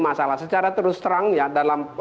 masalah secara terus terang ya dalam